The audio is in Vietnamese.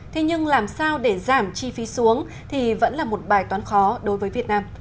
thế nhưng làm sao để giảm chi phí xuống thì vẫn là một bài toán khó đối với việt nam